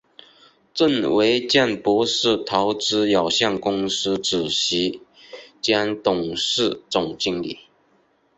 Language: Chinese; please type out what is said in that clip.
郑维健博士投资有限公司主席兼董事总经理。